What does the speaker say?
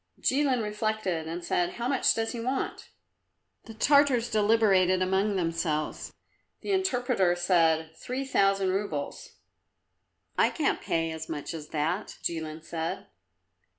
Jilin reflected and said, "How much does he want?" The Tartars deliberated among themselves; the interpreter said, "Three thousand roubles." "I can't pay as much as that," Jilin said.